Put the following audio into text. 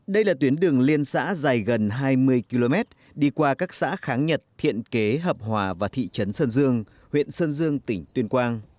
đây là tuyến đường liên xã dài gần hai mươi km đi qua các xã kháng nhật thiện kế hợp hòa và thị trấn sơn dương huyện sơn dương tỉnh tuyên quang